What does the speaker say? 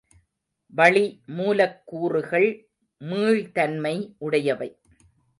வளி மூலக்கூறுகள் மீள்தன்மை உடையவை.